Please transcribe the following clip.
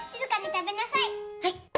はい。